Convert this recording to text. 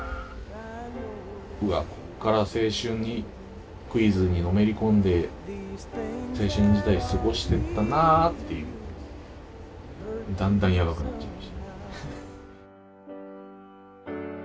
うわこっから青春にクイズにのめり込んで青春時代を過ごしてったなっていうだんだんやばくなっちゃいました。